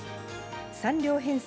３両編成